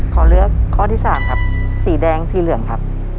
ขอเลือกข้อที่๓ครับสีแดงสีเหลืองครับ